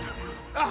あっ！